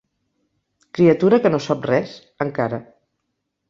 Criatura que no sap res, encara.